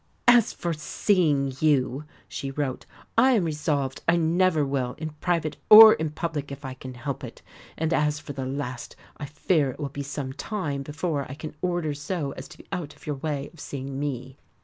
"As for seeing you," she wrote, "I am resolved I never will in private or in public if I can help it; and, as for the last, I fear it will be some time before I can order so as to be out of your way of seeing me.